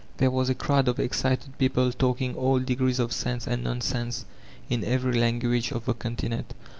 There was a crowd of excited people taDdng all degrees of sense and nonsense in every language of the continent.